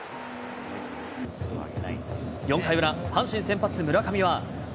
４回裏、阪神先発、村上は。